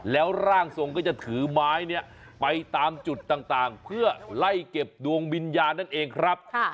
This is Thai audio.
แล้วร่างทรงก็จะถือไม้เนี่ยไปตามจุดต่างเพื่อไล่เก็บดวงวิญญาณนั่นเองครับ